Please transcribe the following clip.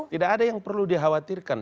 tidak ada yang perlu dikhawatirkan